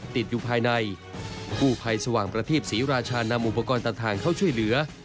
ที่ราชานำอุปกรณ์ต่างเข้าช่วยเหลือ